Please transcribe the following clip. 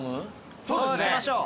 そうしましょう。